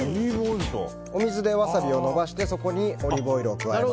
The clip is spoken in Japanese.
お水で、ワサビを伸ばしてそこにオリーブオイルを加えます。